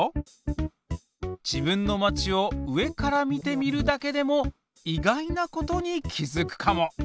自分の街を上から見てみるだけでも意外なことに気付くかも！